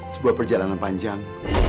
sebuah perjalanan panjang